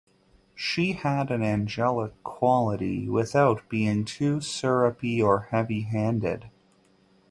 She had an angelic quality without being too syrupy or heavy-handed.